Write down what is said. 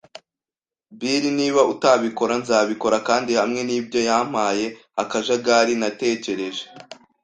Bill. ' Niba utabikora, nzabikora. ”Kandi hamwe nibyo yampaye akajagari natekereje